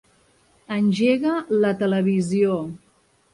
Engega la televisió.